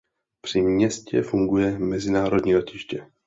Při městě funguje mezinárodní letiště.